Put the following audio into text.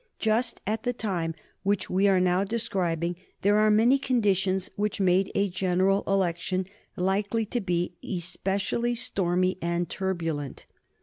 Just at the time which we are now describing there are many conditions which made a general election likely to be especially stormy and turbulent.